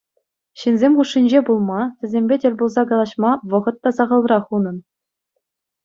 Ҫынсем хушшинче пулма, вӗсемпе тӗл пулса калаҫма вӑхӑт та сахалрах унӑн.